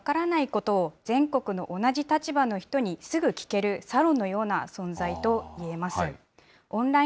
オンライン市役所は、分からないことを全国の同じ立場の人にすぐ聞けるサロンのような存在といえます。